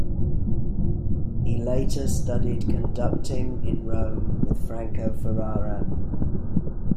He later studied conducting in Rome with Franco Ferrara.